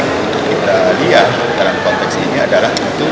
untuk kita lihat dalam konteks ini adalah